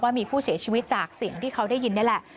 มีผู้เสียชีวิตจากสิ่งที่เขาได้ยินนี่แหละ